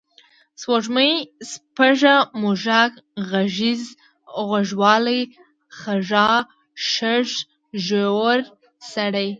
سپوږمۍ، سپږه، موږک، غږیز، غوږ والۍ، خَږا، شَږ، ږېرور سړی